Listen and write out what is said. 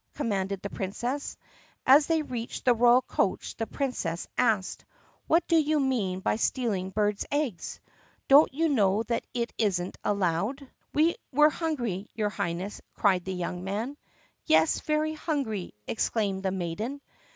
commanded the Princess. As .they reached the royal coach the Princess asked, "What do you mean by stealing birds' eggs'? Don't you know it is n't allowed?" "We were hungry, your Highness!" cried the young man. "Yes, very hungry!" exclaimed the maiden.